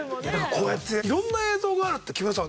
こうやっていろんな映像があるって木村さん